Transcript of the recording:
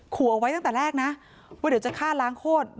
ขู่เอาไว้ตั้งแต่แรกนะว่าเดี๋ยวจะฆ่าล้างโคตร